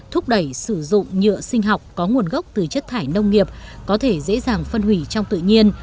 thúc đẩy sử dụng nhựa sinh học có nguồn gốc từ chất thải nông nghiệp có thể dễ dàng phân hủy trong tự nhiên